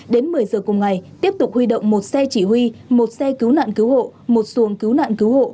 đến một mươi giờ cùng ngày tiếp tục huy động một xe chỉ huy một xe cứu nạn cứu hộ một xuồng cứu nạn cứu hộ